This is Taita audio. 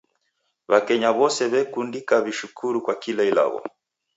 W'akenya w'ose wekundika w'ishukuru kwa kila ilagho